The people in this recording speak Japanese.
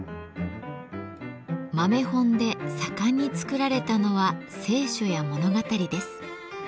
豆本で盛んに作られたのは聖書や物語です。